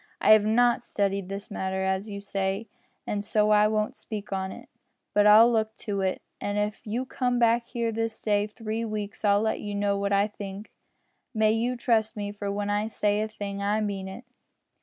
I have not studied this matter, as you say, an' so I won't speak on it. But I'll look into it, an' if you come back here this day three weeks I'll let you know what I think. You may trust me, for when I say a thing I mean it."